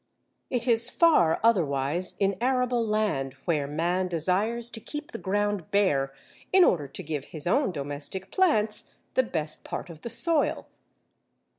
It is far otherwise in arable land, where man desires to keep the ground bare in order to give his own domestic plants the best part of the soil.